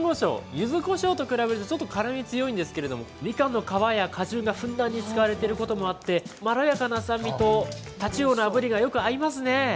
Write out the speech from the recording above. ゆずこしょうと比べるとちょっと辛み強いんですけれどもみかんの皮や果汁が、ふんだんに使われていることもあってまろやかな酸味と太刀魚のあぶりがよく合いますね。